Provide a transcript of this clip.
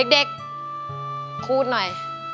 เด็กคูณหน่อย